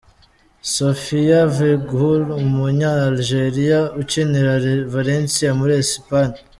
Sofiane Feghouli , umunya Algeliya ukinira Valencia muri Esipanye.